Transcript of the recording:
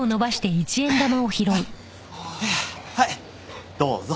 はいどうぞ。